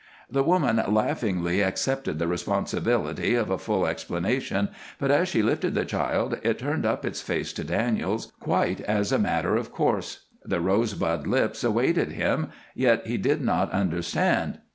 The woman laughingly accepted the responsibility of a full explanation, but as she lifted the child it turned up its face to Daniels, quite as a matter of course. The rosebud lips awaited him, yet he did not understand.